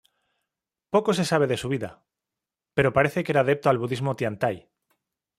Poco se sabe de su vida, pero parece que era adepto al budismo tiantai.